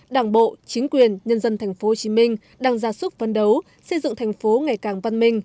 đảng bộ chính quyền nhân dân tp hcm đang ra sức phấn đấu xây dựng thành phố ngày càng văn minh